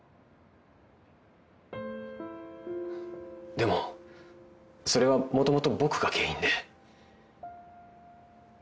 でもそれはもともと僕が原因で。